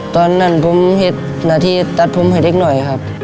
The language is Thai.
ตอนนั้นผมเห็นหน้าที่ตัดผมให้เด็กหน่อยครับ